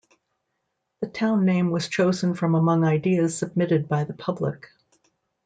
The town name was chosen from among ideas submitted by the public.